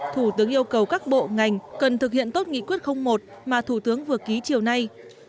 thủ tướng yêu cầu các bộ ngành cần thực hiện tốt nghị quyết một mà thủ tướng vừa ký chiều nay